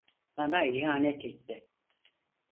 Bana ihanet etti.